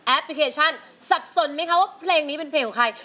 พลิเคชันสับสนไหมคะว่าเพลงนี้เป็นเพลงของใคร